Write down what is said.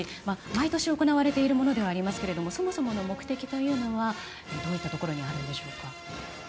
毎年行われているものではありますけれどもそもそもの目的というのはどういったところにあるのでしょうか。